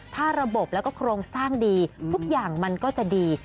ถ้าระบบแล้วก็โครงสร้างดีทุกอย่างมันก็จะดี